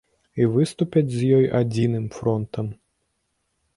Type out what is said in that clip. І выступяць з ёй адзіным фронтам.